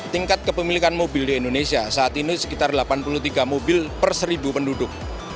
tingkat kepemilikan mobil di indonesia saat ini sekitar delapan puluh tiga mobil per seribu penduduk